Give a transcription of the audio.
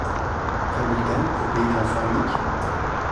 Fabule-t-elle, au pays de l’enfant unique ?